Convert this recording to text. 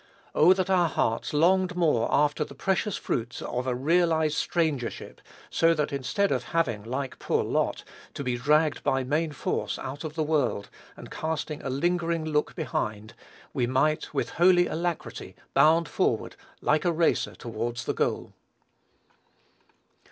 Oh, that our hearts longed more after the precious fruits of a realized strangership, so that instead of having, like poor Lot, to be dragged by main force out of the world, and casting a lingering look behind, we might, with holy alacrity bound forward like a racer towards the goal!